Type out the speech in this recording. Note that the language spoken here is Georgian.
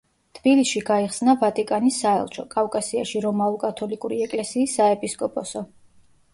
თბილისში გაიხსნა ვატიკანის საელჩო, კავკასიაში რომაულ-კათოლიკური ეკლესიის საეპისკოპოსო.